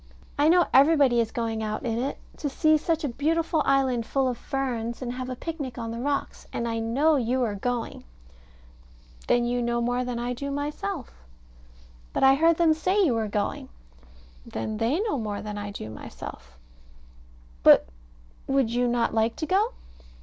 I know everybody is going out in it to see such a beautiful island full of ferns, and have a picnic on the rocks; and I know you are going. Then you know more than I do myself. But I heard them say you were going. Then they know more than I do myself. But would you not like to go?